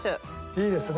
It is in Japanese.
いいですね。